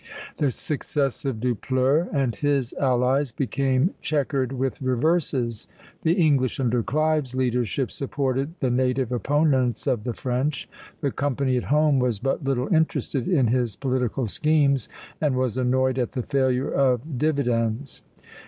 The success of Dupleix and his allies became checkered with reverses; the English under Clive's leadership supported the native opponents of the French. The company at home was but little interested in his political schemes, and was annoyed at the failure of dividends.